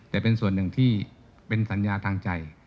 แต่เป็นส่วนหนึ่งที่เป็นสัญญาทางใจ